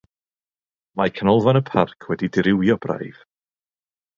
Mae Canolfan y Parc wedi dirywio braidd.